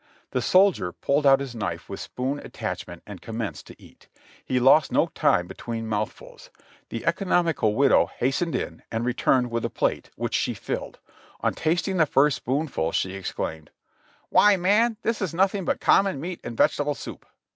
The soldier pulled out his knife with spoon attachment and commenced to eat ; he lost no time be tween mouthfuls ; the economical widow hastened in, and re turned with a plate, which she filled ; on tasting the first spoonful she exclaimed, "Why, man, this is nothing but common meat and vegetable soup